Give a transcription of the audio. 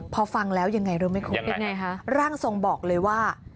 พอฟังแล้วยังไงรู้ไหมคุณร่างทรงบอกเลยว่า